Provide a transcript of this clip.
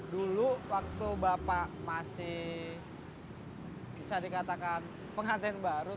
dulu waktu bapak masih bisa dikatakan pengantin baru